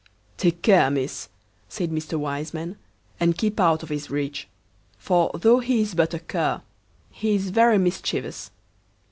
"Take care, miss, said Mr. Wiseman, and keep out of his reach; for though he is but a cur, he is very mischievous.